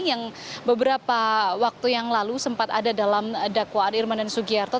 yang beberapa waktu yang lalu sempat ada dalam dakwaan irman dan sugiharto